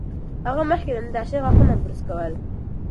هغه مخکې له ناشتې غاښونه برس کړل.